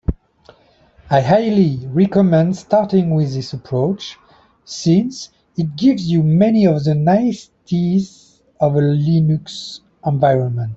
I highly recommend starting with this approach, since it gives you many of the niceties of a Linux environment.